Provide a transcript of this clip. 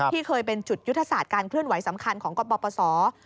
เคยเป็นจุดยุทธศาสตร์การเคลื่อนไหวสำคัญของกปศ